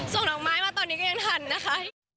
ส่งดอกไม้มาตอนนี้ก็ยังทันนะคะ